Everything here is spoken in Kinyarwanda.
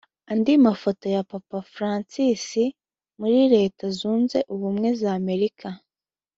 Andi mafoto ya Papa Francis muri Leta Zunze Ubumwe za Amerika